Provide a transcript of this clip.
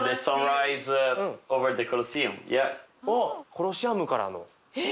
コロシアムからの。え！？